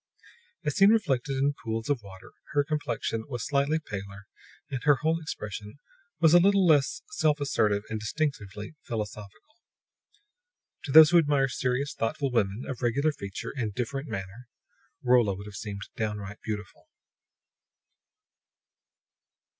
As seen reflected in pools of water, her complexion was slightly paler and her whole expression a little less self assertive and distinctively philosophical. To those who admire serious, thoughtful women of regular feature and different manner, Rolla would have seemed downright beautiful.